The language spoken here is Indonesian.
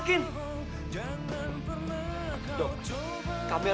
itu kan lia